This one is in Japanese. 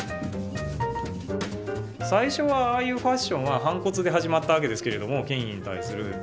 最初はああいうファッションは反骨で始まった訳ですけども権威に対する。